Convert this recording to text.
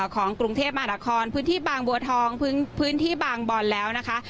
ของกรุงเทพมหานครพื้นที่บางบัวทองพื้นที่บางบอลแล้วนะคะ